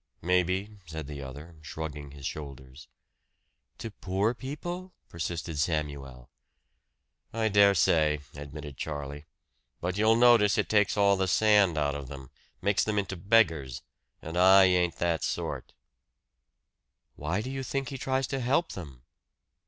"Maybe," said the other, shrugging his shoulders. "To poor people?" persisted Samuel. "I dare say," admitted Charlie. "But you'll notice it takes all the sand out of them makes them into beggars. And I ain't that sort." "Why do you think he tries to help them?"